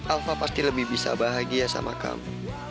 alfa pasti lebih bisa bahagia sama kamu